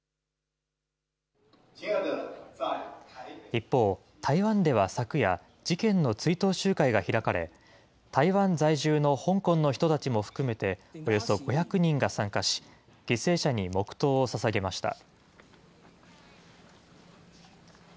一方、台湾では昨夜、事件の追悼集会が開かれ、台湾在住の香港の人たちも含めて、およそ５００人が参加し、犠牲者に黙とうをささげました。